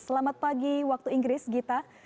selamat pagi waktu inggris gita